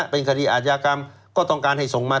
เป็นคดีอาชญากรรมก็ต้องการให้ส่งมา